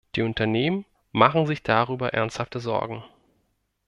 Die Unternehmen machen sich darüber ernsthafte Sorgen.